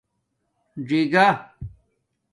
ژِگہ